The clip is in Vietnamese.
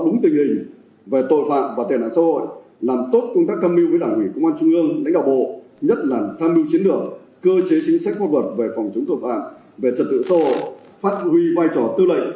nghĩa cơ chế chính sách phát luật về phòng chống tội phạm về trật tự xã hội phát huy vai trò tư lệnh